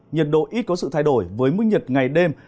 nhiệt độ ít có sự thay đổi với mức nhiệt ngày đêm